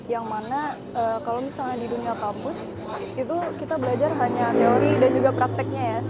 yang mana kalau misalnya di dunia kampus itu kita belajar hanya teori dan juga prakteknya ya